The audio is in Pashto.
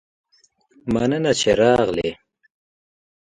مننه چې راغلي